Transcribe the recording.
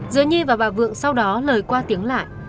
giữa nhi và bà vượng sau đó lời qua tiếng lại